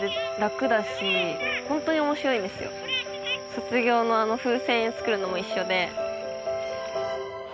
卒業のあの風船作るのも一緒で。